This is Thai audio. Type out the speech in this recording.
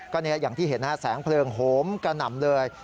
ก็อย่างที่เห็นนะฮะแสงเพลิงโหมกระหน่ำเลย